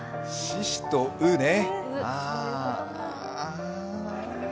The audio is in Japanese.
「しし」と「う」ね。